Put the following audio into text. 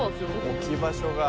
置き場所が。